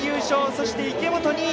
そして池本、２位。